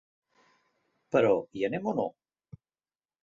Però hi anem o no?